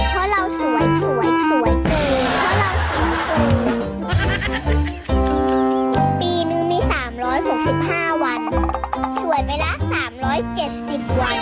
โปรดติดตามตอนต่อไป